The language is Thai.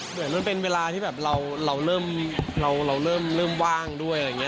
เหมือนมันเป็นเวลาที่แบบเราเริ่มเราเริ่มว่างด้วยอะไรอย่างนี้